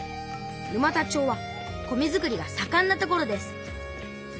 沼田町は米づくりがさかんな所です。